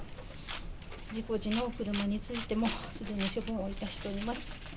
事故時の車についてもすでに処分をいたしております。